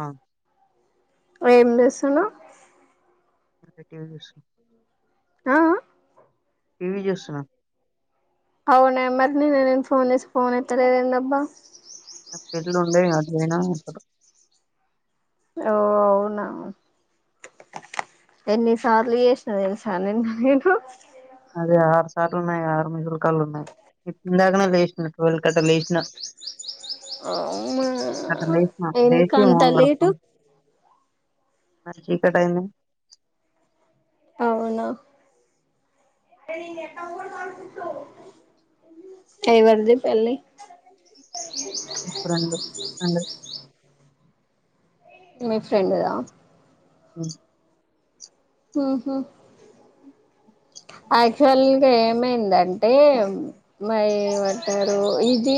ఆ ఏం చేస్తున్నావ్ లే టీ వి చూస్తున్న ఆఆ టి వీ చేూస్తున్నా ఫోన్ నెంబర్ కీ నిన్న నేను ఫోన్ చేస్తె ఫోన్ ఎత్తలేదండబ్బా పెల్లి ఉండే అట్వైనా అక్కడ ఓ అవునావు ఎన్నిసార్లు చేసి న తెలుసా నేను అదే ఆరు సార్లు ఉన్నాయి ఆరు నిమిషుల కాల్ ఉన్నాయి ఇప్పు ఇందాకనే లేసిన ట్వెల్ కట్టా లేసిన అవునా అట్ట లేసిన ఎందుకు లేసి అంత మొహం లేటు కడుక్కున్న చీకటైంది అవునా ఎవరిది పెళ్లి రెండు రెండు మీ ఫ్రెండ్దా ఉ ఉహు యాక్చువల్గా ఏమైందంటే మరి ఏమంటారు ఇది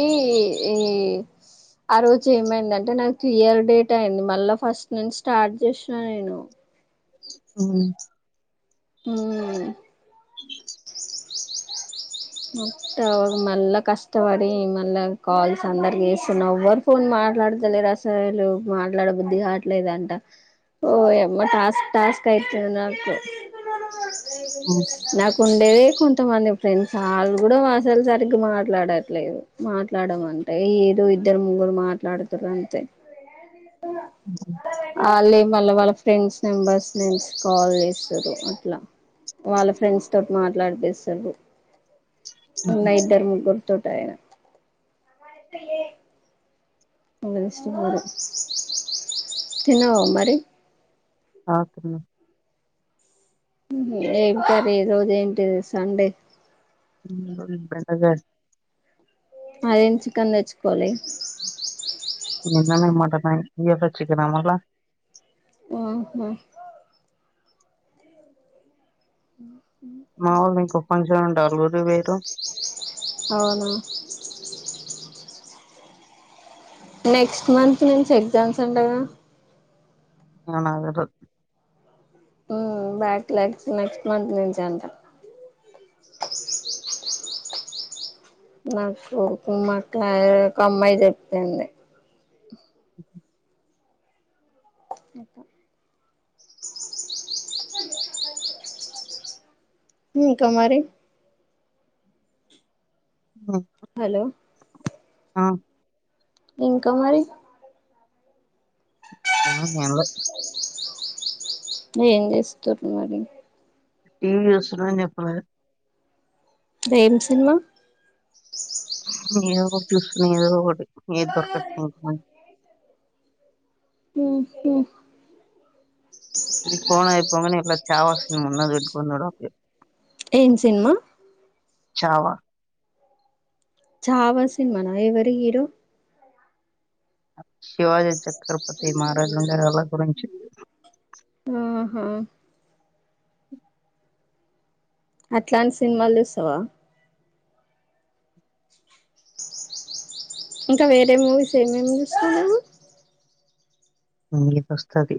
ఈ ఆ రోజు ఏమైందింటే నాకు క్లియర్ డేట్ అయింది మళ్ళా ఫస్ట్ నుంచి స్టార్ట్ చేసినా నేను మ్ మ్మ్ అ మత్త అ మళ్ళ కష్టపడి మళ కాల్స్ అందరిసున్నా ఒవ్వరు ఫోన్ మ మాట్లాడతలేరసలు మాట్లాడ బుద్ధి కావట్లేదంట ఓ యమ్మ టాస్క్ టాస్క్ అయితుంది నాకు హ్మ్. నాకు ఉండేదే కొంతమంది ఫ్రెండ్స్ వాళ్ళు కూడా వాసలు సరిగ్గా మాట్లాడట్లేదు మాట్లాడంటే ఏదో ఇద్దరు ముగ్గురు మా మాట్లాడుతుర్రు అంతే కీ మళ్ళ వాళ్ళ ఫ్రెండ్స్ నెంబర్స్ నుంచి కాల్ చేస్తురు అట్లా వాళ్ళ ఫ్రెండ్స్ తోటి మాట్లాడిపిస్తురు ఉన్నా ఇద్దరు ముగ్గురు [inaudible] ఎవళోస్తున్నారో తిన్నవామరి ఆ తిన్న ఏం కర్రీ ఈ రోజు ఏంటిది సండే ఎప్పుడన్నా గాని అదేంది చికెన్ తెచ్చుకోలే నిన్ననే మట్టన్ అయే ఈ రోజే చికెనా మల్ల ఆహా మా ఒళ్ళు ఇంకో ఫంక్షన్ ఉంటే అల్లుఊరికి పోయిల్లు అవునా నెక్స్ట్ మంత్ నుంచి ఎగ్జామ్స్ అంటగాా ఏమో నాకు తెల్వదు మ్మ్ బ్యాక్ లాగ్స్ నెక్స్ట్ మంత్ నుంచి అంట నాకు మా అక్క ఒక అమ్మాయి చెప్పింది నిప్పు అ ఇంకా మరి మ్మ్ హలో ఆ ఇంకా మరి ఎం ఉంది ఎం లే ఏం చేస్తురు మరి టీవీ చాస్తున్న అని చేపలే ఎం సినిమా ఏదో ఒకటి చూసున్నా ఏదో ఒకటి ఎం దొరకలేదు మంచి హుమ్ ఈ ఫోన్ అయిపోంగానే ఇంట్లో చావొస్తుంది అందరూ తిట్టుకుంటున్నారు ఏం సినిమా చావా చావా సినిమానా ఎవరు హీరో శివాజీ చక్రపతి మహారాజు గారులా గురించి ఆహా అట్లాంటి సినిమాలు చూసావా ఇంకా వేరే మూవీస్ ఏమేం చూస్తావు నువ్వు ఏది వస్తే అది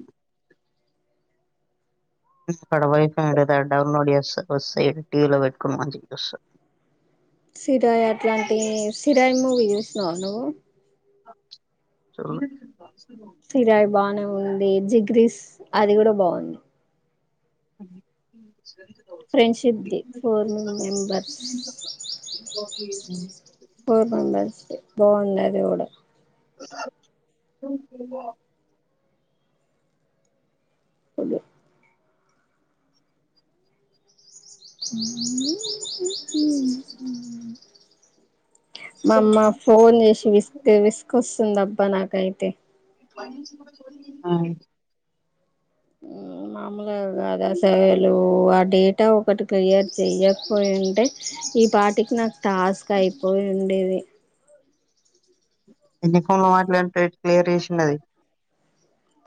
[unintelligible] డౌన్లోడ్ చేస్తా కోసేపు టీవీ లో పెట్టుకొని మంచిగా చూస్తా సిరాయ్ అట్లాంటి సిరాయ్ మూవీ చూసినవా నువ్వు చూడలే సిరాయి బానే ఉంది జిగ్రీస్ అది కూడా బాగుంది అ ఫ్రెండ్షిప్ ది ఫోర్ మెంబర్స్ ఇ పూర్వం బ్యాచిలర్ బాగుంది అది కూడా మా అమ్మ ఫోన్ చేసి విస్క్ విసుకొస్తుంది అబ్బా నాకైతే ఆ మామూలుగా కాదా అసలు ఆ డేటా ఒకటి క్లియర్ చెయకపోయింటే ఈ పాటికి నాకు టాస్క్ అయిపోయిఉండేది ఎన్ని కాల్ మాట్లాడితే క్లియర్ చేసిండది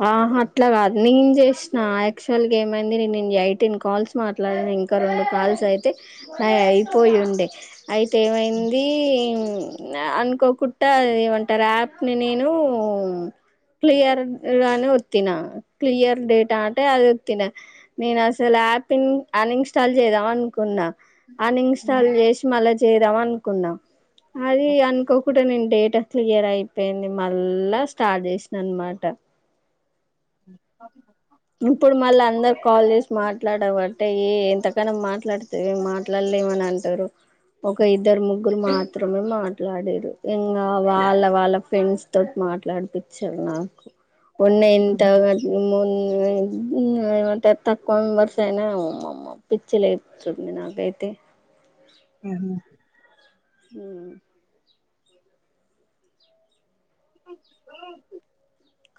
ఆ అట్లాగాదు నేను చేసినా యాక్చువల్ గా ఏమైంది నేను ఐటీన్ కాల్స్ మాట్లా ఇంకా రెండు కాల్స్ అయితే నై అయిపోయిండే అయితే ఏమైంది అనుకోకుడా ఏమంటారు యాప్ ని నేను క్లియర్ అని ఒత్తిన క్లియర్ డేటా అంటే అది ఒత్తిన నేను అసలు అప్ యూని అన్ ఇన్స్టాల్ చేద్దామనుకున్నా అన్ ఇన్స్టాల్ చేసి మల్ల చేద్దామనుకున్నా అది అనుకో ఇప్పు నేను డేటా క్లియర్ అయిపోయింది మళ్ళా స్టార్ట్ చేసిన అన్నమాట ఇప్పుడు మళ్ళీ అందరు కాల్ చేసి మాట్లాడవంటే ఏ ఎంతకనా మాట్లాడితే మాట్లాడ్ ఎవనంటారు ఒక ఇద్దరు ముగ్గురు మాత్రమే మాట్లాడిరు ఇంకా వాళ్ళ వాళ్ళ ఫ్రెండ్స్ తో మా మాట్లాడిపించారు నాకు ఉన్న ఎంత [unintelligible] ఏమంటే తక్కువ వర్ష [unintelligible] పిచ్ లేస్తది నాకైతే హ్మ్ హు హ్మ్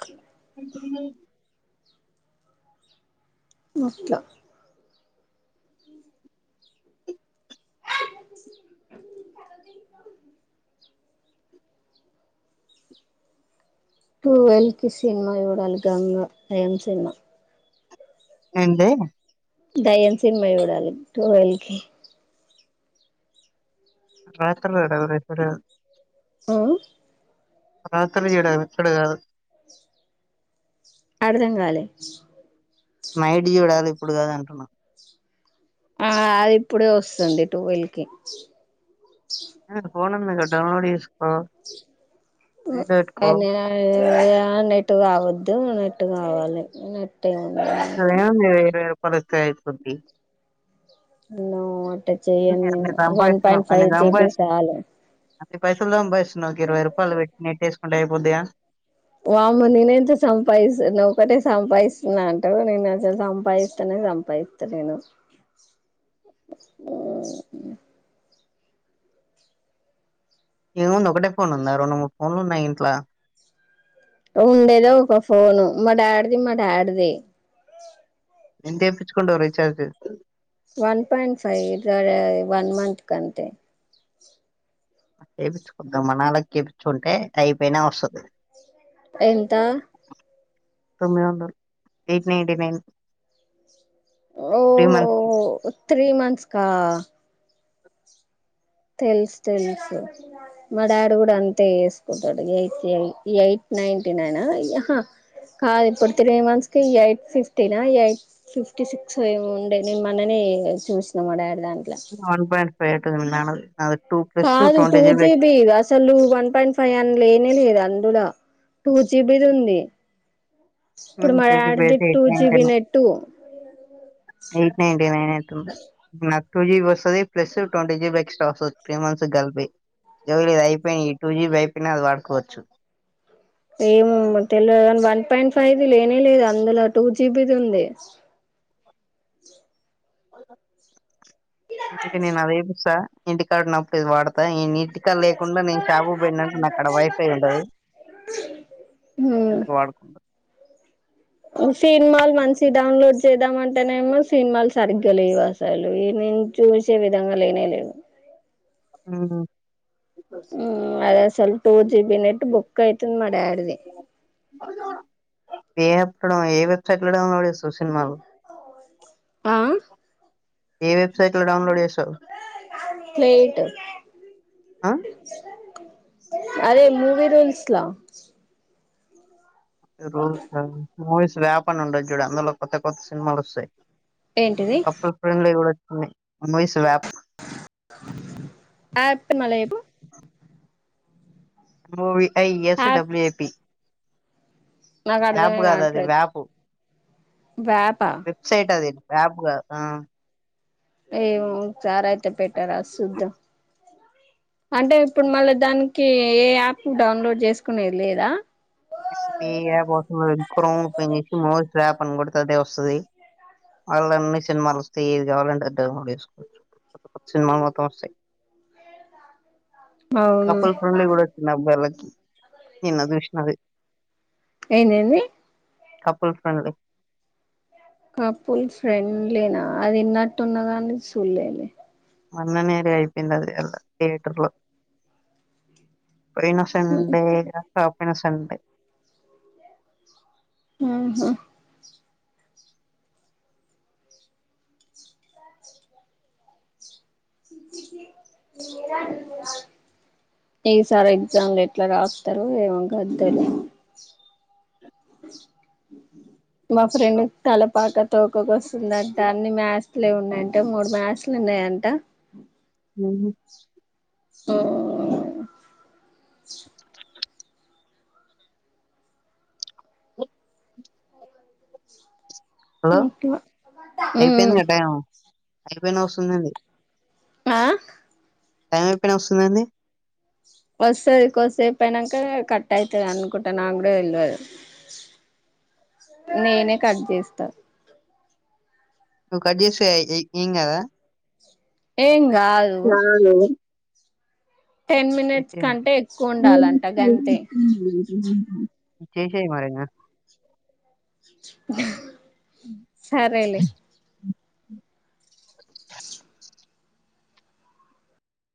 కు [unintelligible] వట్లా టువెల్వ్ కి సినిమా చూడాలి గంగ దెయ్యం సినిమా ఏంది దయ్యం సినిమా చూడాలి టువెల్ కి రాత్రిళ్లు [unintelligible] ఓ రాత్రి ఈడ [unintelligible] కాదు అడ్దంగాలే నైట్ చూడాలి ఇప్పుడు కాదు అంటున్నా ఆ అది ఇప్పుడే వస్తుంది టూవెల్ కి ఏ ఫోనుంది డౌన్లోడ్ చేసుకో నైట్ పెట్టుకో [unintelligible] నెట్టు కావద్దు నెట్టు కావాలి నె [unintelligible] నో అట్ట చెయ్యన్ నేను అన్ని వన్ సంపాదిస్తున్నాం పాయింట్ ఫైవ్ జీబి సాలు ఈ పైసలు సంపాయిస్సున్నావ్ ఒక ఇరవై రూపాయలు పెట్టి నెట్టు వేసుకుంటే అయిపోద్దిగా వామ్మో నేనెంత సంపాదిస్తున ఒకటే సంపాదిస్తున్నావ్ అంటావ్ నేను అసలు సంపాదిస్తన్నా. సంపాయిత్తలేను ఓహ్ ఏముంది ఒకటే ఫోన్ ఉందా రెండు మూడు ఫోన్లు ఉన్నాయి ఇంట్లో ఉండేదే ఒక ఫోను మా డాడ్ది మా డాడ్ ది ఎంత వేపిచ్చుకుంటావ్ recharge one point five [unintelligible] one month కు అంతే ఏపిచ్చుకుందాం మనాలకి ఏపిచ్చుకుంటే అయిపోయినా వస్తది ఎంత తొమ్మిదొందలు ఎయిట్ నైన్టీ నైన్ త్రీ ఓహో మంత్స్ కి త్రీ మంత్స్ కా తెలుసు తెలుసు మా డాడీ కూడా అంతే ఏసుకుంటాడు ఎయిటెల్ ఎ ఎయిట్ నైన్టీ నైనా కాదు ఇప్పుడు త్రీ మంత్స్ కి ఎయిట్ ఫిఫ్టీనా ఎయిట్ ఫిఫ్టీ సిక్స్ ఏమో ఉండే నేను మొన్ననే ఏంగా చూసినా మా డాడీ దాన్ వన్ పాయింట్ ఫైవ్ ఐటది మీ నాన్నది అది కాదు టూ జీ బి అసలు వన్ పాయింట్ ఫైవ్ అన్ లేనే లేదు అందుడా టూ జీ బీ దుంది ఇప్పుడు మా టూ జీబీ డాడీ ది అయితే two eight G ninety B nine net eight ninety nine నాకు టూ జీ బి వస్తది plus twenty G B extra వస్తది త్రీ మంత్స్ కు కలిపి [unintelligible] అయిపోయినా ఈ టూ జీ బీ అయిపోయినా అది వాడుకోవచ్చు ఏమో తెల్వదు [unintelligible] వన్ పాయింట్ ఫైవ్ లేనే లేదు అందులో టూ జీ బీ దుంది అందుకే నేను అది ఏపిస్తా ఇంటి కాడున్నప్పుడు ఇది వాడతా నే నీటికా లేకుండా నేను షాపు కు పోయినంటే నాకు అక్కడ వై ఫై ఉంటది అది వాడుకుంటా సినిమాలు మంచివి డౌన్లోడ్ చేద్దామంటేనేమో సినిమాలు సరిగ్గా లేవు అసలు ఈ నా నను చూసే విధంగా లేనేలేవు ఊహూ ఊ అది అసలు టూ జి బి నెట్ బొక్కైతుంది మా డాడ్ ది ఏ ఎత్తడం ఏ వెబ్సైట్లుడ సూ సినిమాలు ఆ ఏ వెబ్సైట్ లో డౌన్లోడ్ చేస్ ప్లేట్ ఆ అదే మూవి రూల్స్ లో [unintelligible] మూవీస్ వ్యాప్ అని ఉండద్ చూడు అందులో కొత్త కొత్త సినిమాలు వస్తాయి ఏంటిది అప్పుడు ఫ్రెమ్ లో కూడా వచ్చినై మూవీస్ లో యాప్ ఆప్ మలై చెప్పు ము వి is app W A P నాకు అప్ అర్థమే కాదు అది కావట్లేదు వ్యాప్ వ్యాపా వెబ్సైట్ అది అప్ కాదు ఆ ఏమో ఒకసార్ అయితే పెట్టార సుదాం అంటే ఇప్పుడు మళ్ళా దానికి ఏ యాప్ డౌన్లోడ్ చేసుకునేది లేదా [unintelligible] ఈ యాప్ అవసరం లేదు క్రోమ్ ని ఓపెన్ చేసి మోస్ యాప్ అని కూడా అదే వస్తది మళ్ళా అన్ని సినిమాలు వస్తాయ్ ఏది కావాలంటే అది డోలోడ్ చేసుకోవచ్చు సినిమాల్ మొత్తం వస్తాయ్ అవును కపుల్ ఫ్రెండ్లీ కూడా వచ్చింది అబ్బాయిలకి నిన్నా జూస్నా అది ఏందెంది కపుల్ ఫ్రెండ్లీ కపుల్ ఫ్రెండ్లీనా అది ఇన్నట్టున్నది గానీ చూడలేద్ లే మొన్ననే అది అయిపోయింది అది తియేటర్ లో పోయిన సండే [unintelligible] పోయిన సన్ ఉహూ ఎ సారి ఎగ్జామ్ లు ఎట్లా రాస్తారో ఏమో గంతేలే మా ఫ్రెండ్ తల పాక తోక కొస్తుందంట అన్నీ మ్యాస్ లే ఉన్నాయంట మూడు మ్యాస్ లున్నాయంట ఉహూ ఓ హలో అట్లా ఉమ్ ఐపోయింది గా టైము ఐపోయినా వస్తుందేంది ఆ టైం ఐపోయినా వస్తుందేండి వొసది కొద్దిసేపు అయినాంక కట్ అయితది అనుకుంటా నాకు కూడా తెల్వదు నేనే కట్ చేస్తా నువ్ కట్ జేస్తే ఏ ఏం కదా ఏం గాదు కాదు ఎక్కువ ఉండాలంట గంతే [unintelligible] చేసేయ్ మరి ఇంగ సరే లే